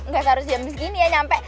nggak harus jam segini ya nyampe